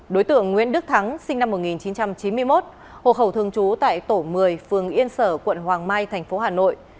đối tượng nguyễn đức thắng sinh năm một nghìn chín trăm chín mươi một hộ khẩu thường trú tại tổ một mươi phường yên sở quận hoàng mai thành phố hà nội